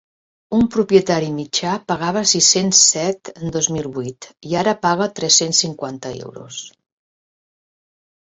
Un propietari mitjà pagava sis-cents set en dos mil vuit i ara paga tres-cents cinquanta euros.